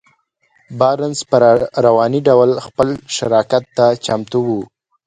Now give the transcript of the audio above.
بارنس په رواني ډول خپل شراکت ته چمتو و.